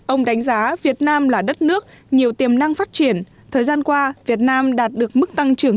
ông đánh giá việt nam là đất nước nhiều tiềm năng phát triển thời gian qua việt nam đạt được mức tăng trưởng